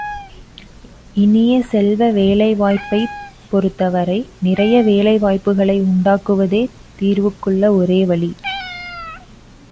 இனிய செல்வ, வேலை வாய்ப்பைப் பொருத்தவரை, நிறைய வேலை வாய்ப்புக்களை உண்டாக்குவதே தீர்வுக்குள்ள ஒரே வழி.